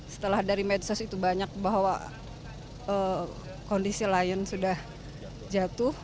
setelah dari medsos itu banyak bahwa kondisi lion sudah jatuh